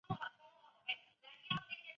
五代南唐保大三年改名南州。